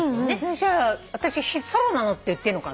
じゃあ私ソロなのって言っていいのかな？